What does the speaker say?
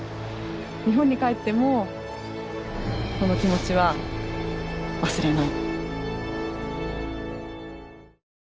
日本に帰ってもこの気持ちは忘れない。